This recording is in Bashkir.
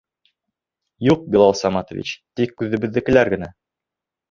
Юҡ, Билал Саматович, тик үҙебеҙҙекеләр генә.